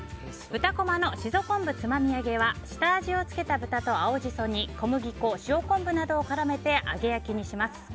豚こまのシソ昆布つまみ揚げは下味をつけた豚と青ジソに小麦粉、塩昆布などを絡めて揚げ焼きにします。